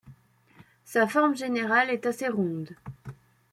Sa forme générale est assez ronde.